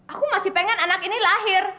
aku masih pengen anak ini lahir